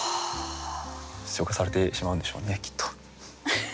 消化されてしまうんでしょうねきっと。